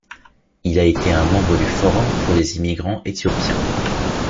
Il a été un membre du forum pour les immigrants éthiopiens.